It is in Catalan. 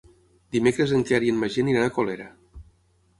Dimecres en Quer i en Magí aniran a Colera.